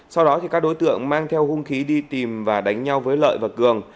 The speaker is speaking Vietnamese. sau đó các đối tượng mang theo hung khí đi tìm và đánh nhau với lợi và cường